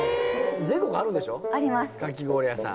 ・全国あるんでしょかき氷屋さん。